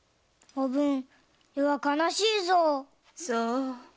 おぶん。